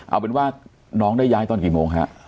เอาเป็นว่าน้องได้ย้ายตอนกี่โมงฮะ